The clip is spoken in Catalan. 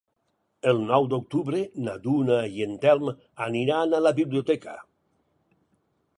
El nou d'octubre na Duna i en Telm aniran a la biblioteca.